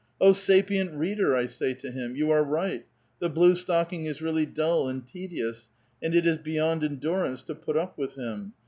"O sapient reader! " I say to him, "you are right; the blue stocking is really dull nnd tedious, and it is beyond en durance to put up with him.